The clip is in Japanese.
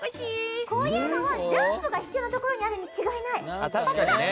こういうのはジャンプが必要なところにあるに違いない。